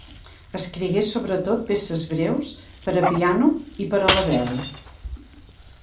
Escrigué sobretot peces breus per a piano i per a la veu.